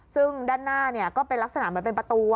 ซึ่งด้านหน้าก็เป็นลักษณะเหมือนเป็นประตู